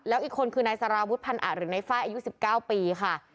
แล้วอีกคนคือนายสารวุฒิพันอะหรือในไฟล์อายุ๑๙ปีค่ะ